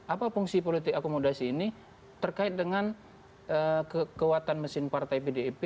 apa fungsi politik akomodasi ini terkait dengan kekuatan mesin partai pdip